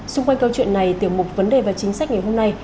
xung quanh câu chuyện này tiểu mục vấn đề và chính sách ngày hôm nay